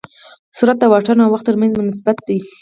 سرعت د واټن او وخت تر منځ نسبت دی.